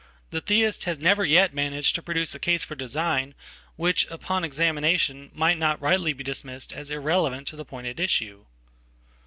TheTheist has never yet managed to produce a case for design whichupon examination might not rightly be dismissed as irrelevant tothe point at issue.